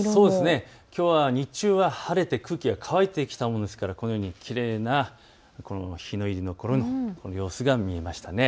きょうは日中は晴れて空気が乾いてきたものですからきれいな日の入りのころの様子が見られました。